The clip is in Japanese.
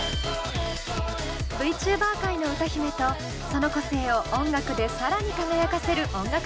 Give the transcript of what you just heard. Ｖチューバー界の歌姫とその個性を音楽で更に輝かせる音楽